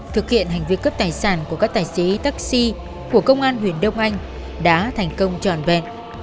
thực hiện hành vi cướp tài sản của các tài xế taxi của công an huyện đông anh đã thành công tròn vẹn